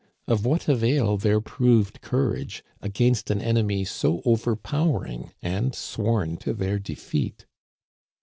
Of what avail their proved courage against an enemy so overpowering and sworn to their defeat